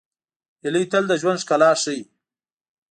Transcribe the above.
هیلۍ تل د ژوند ښکلا ښيي